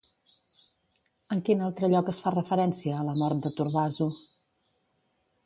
En quin altre lloc es fa referència a la mort de Turbazu?